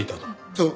そう。